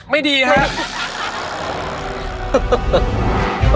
ไม่ดีครับ